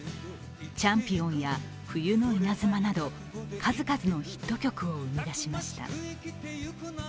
「チャンピオン」や「冬の稲妻」など数々のヒット曲を生み出しました。